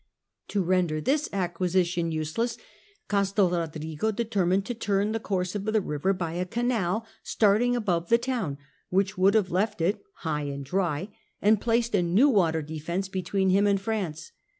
To render this acquisition useless, Castel Rodrigo determined to turn the course of the river by a canal starting above the town, which would have left it high and dry, and placed a new water defence between him and France.